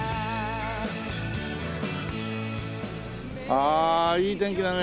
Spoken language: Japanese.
ああいい天気だね。